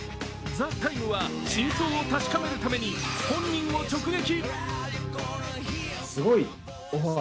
「ＴＨＥＴＩＭＥ，」は真相を確かめるために本人を直撃。